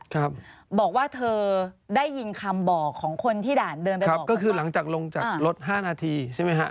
ครับบอกว่าเธอได้ยินคำบอกของคนที่ด่านเดินไปครับก็คือหลังจากลงจากรถห้านาทีใช่ไหมฮะ